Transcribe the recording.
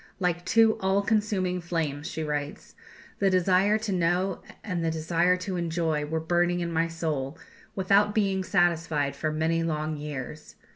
"Like two all consuming flames," she writes, "the desire to know and the desire to enjoy were burning in my soul, without being satisfied for many long years.